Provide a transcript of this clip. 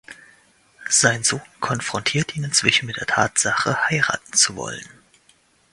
Sein Sohn konfrontiert ihn inzwischen mit der Tatsache heiraten zu wollen.